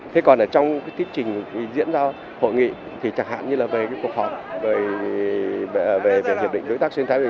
thế còn trong tiết trình diễn ra hội nghị thì chẳng hạn như là về cuộc họp về hiệp định đối tác xuyên thái